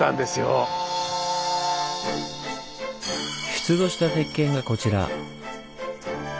出土した鉄剣がこちら。